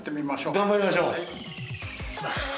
頑張りましょう。